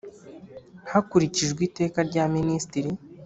hakurikijwe iteka rya Minisitiri